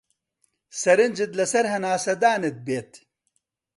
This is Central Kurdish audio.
سەرنجت لەسەر هەناسەدانت بێت.